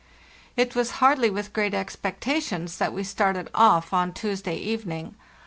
"It was hardly with great expectations that we started off on Tuesday evening.